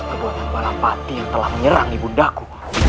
perbuatan balapati yang telah menyerang ibu daku